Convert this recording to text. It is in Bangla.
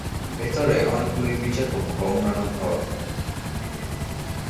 ভেতরে অনেকগুলি বিচার কক্ষ, অন্যান্য ঘর।